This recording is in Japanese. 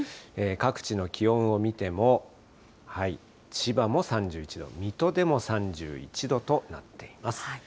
各地の気温を見ても、千葉も３１度、水戸でも３１度となっています。